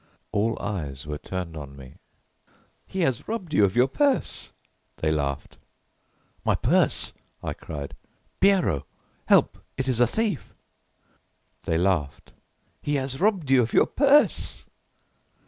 All eyes were turned on me. "He has robbed you of your purse!" they laughed. "My purse!" I cried; "Pierrot help! it is a thief!" They laughed: "He has robbed you of your purse!"